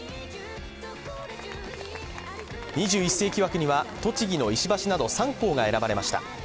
２１世紀枠には栃木の石橋など３校が選ばれました。